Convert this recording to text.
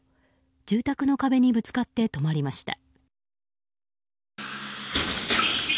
住宅の壁にぶつかって止まりました。